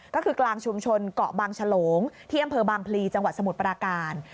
ก็คือกลางชุมชนเกาะบางฉลงที่อำเภอบางพลีจังหวัดสมุทรปราการ